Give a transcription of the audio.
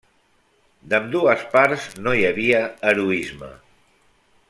D'ambdues parts, no hi havia heroisme.